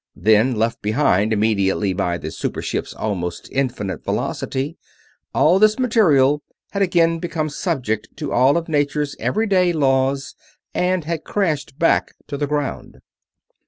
Then, left behind immediately by the super ship's almost infinite velocity, all this material had again become subject to all of Nature's every day laws and had crashed back to the ground.